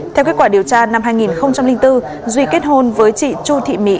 theo kết quả điều tra năm hai nghìn bốn duy kết hôn với chị chu thị mỹ